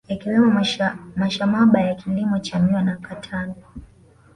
Yakiwemo mashamaba ya kilimo cha miwa na katani